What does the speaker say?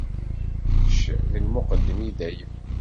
Kečč d lmuqeddem i dayem.